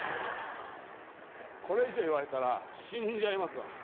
これ以上言われたら死んじゃいますわ。